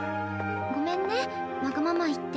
ごめんねわがまま言って。